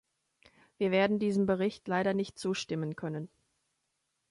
Wir werden diesem Bericht leider nicht zustimmen können.